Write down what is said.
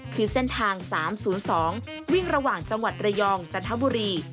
คือเส้นทาง๓๐๒วิ่งระหว่างจังหวัดระยองจันทบุรี